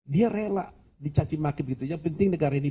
dia rela dicacimaki begitu yang penting negara ini